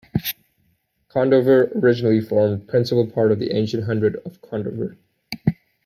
Condover originally formed a principal part of the ancient Hundred of Condover.